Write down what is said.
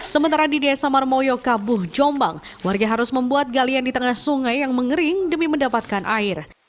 sementara di desa marmoyo kabuh jombang warga harus membuat galian di tengah sungai yang mengering demi mendapatkan air